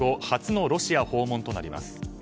初のロシア訪問となります。